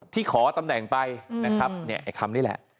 ขอตำแหน่งไปนะครับเนี่ยไอ้คำนี้แหละ